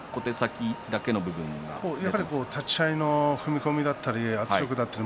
やはり立ち合いの踏み込みだったり圧力だったり